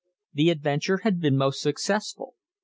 * The adventure had been most successful.